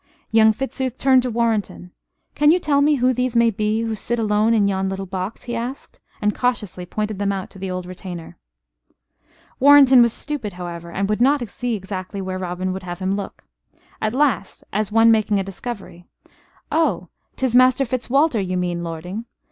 Young Fitzooth turned to Warrenton: "Can you tell me who these may be who sit alone in yon little box?" he asked, and cautiously pointed them out to the old retainer. Warrenton was stupid, however, and would not see exactly where Robin would have him look. At last, as one making a discovery: "Oh, 'tis Master Fitzwalter you mean, lording?